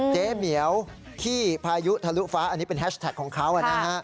เหมียวขี้พายุทะลุฟ้าอันนี้เป็นแฮชแท็กของเขานะฮะ